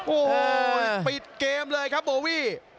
โอ้โหปิดเกมเลยครับโบวี่